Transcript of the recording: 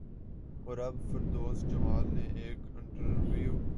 اور اب فردوس جمال نے ایک انٹرویو